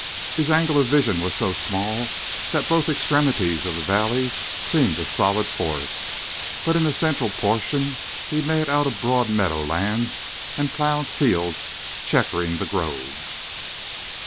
His angle of vision was so small that both extremities of the valley seemed a solid forest, but in the central portion he made out broad meadow lands and plowed fields checkering the groves.